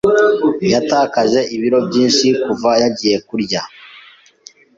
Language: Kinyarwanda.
Yatakaje ibiro byinshi kuva yagiye kurya.